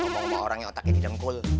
ngomong sama orang yang otaknya didengkul